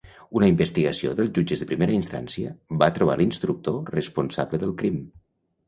Una investigació dels jutges de primera instància va trobar l'instructor responsable del crim.